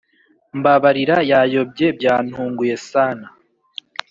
mbabarira yayobye byantunguye sana